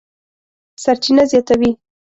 سرچینه زیاتوي